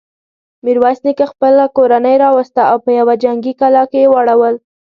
ميرويس نيکه خپله کورنۍ راوسته او په يوه جنګي کلا کې يې واړول.